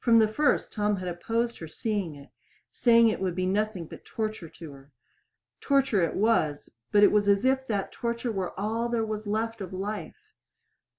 From the first Tom had opposed her seeing it, saying it would be nothing but torture to her. Torture it was, but it was as if that torture were all there was left of life.